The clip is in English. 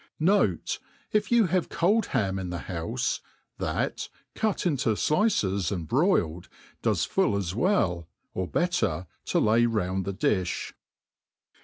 Note, If you have cold ham in the houfe, .that, cut into Sices and broiled, does full as well, or better, to lay round the dilh.